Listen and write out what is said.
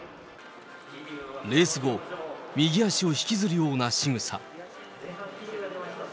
レース後、右足を引きずるようなしぐさ。